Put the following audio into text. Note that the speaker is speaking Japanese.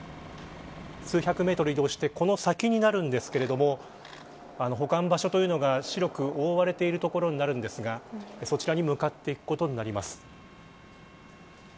数百メートル移動してこの先になりますが保管場所というのが白く覆われている所になりますがそちらに向かっていくことになります。